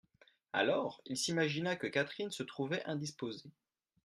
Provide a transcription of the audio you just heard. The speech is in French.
Alors, il s'imagina que Catherine se trouvait indisposée.